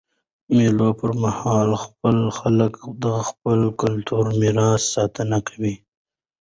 د مېلو پر مهال خلک د خپل کلتوري میراث ساتنه کوي.